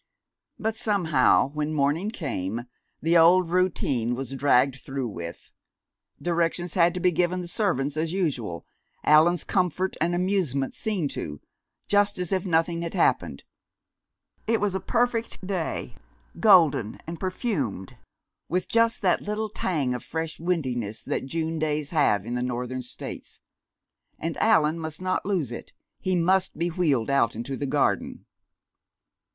But somehow, when morning came, the old routine was dragged through with. Directions had to be given the servants as usual, Allan's comfort and amusement seen to, just as if nothing had happened. It was a perfect day, golden and perfumed, with just that little tang of fresh windiness that June days have in the northern states. And Allan must not lose it he must be wheeled out into the garden.